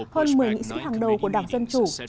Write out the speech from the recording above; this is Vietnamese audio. hơn một mươi nghị sĩ hàng đầu của đảng dân chủ